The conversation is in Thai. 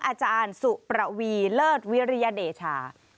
อาจารย์สุประวีเลิศวิริยเดชา